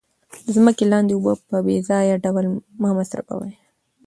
د ځمکې لاندې اوبه په بې ځایه ډول مه مصرفوئ.